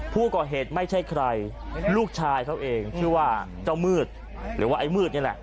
ผู้ก่อเหตุไม่ใช่ใครลูกชายเขาเองชื่อว่าเจ้ามืดหรือว่าไอ้มืดนี่แหละ